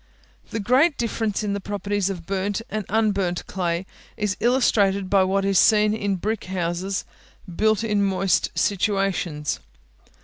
The great difference in the properties of burnt and unburnt clay is illustrated by what is seen in brick houses, built in moist situations.